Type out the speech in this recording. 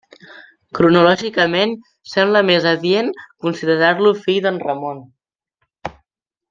Cronològicament sembla més adient considerar-lo fill de Ramon.